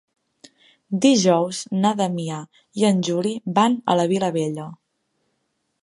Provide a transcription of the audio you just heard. Dijous na Damià i en Juli van a la Vilavella.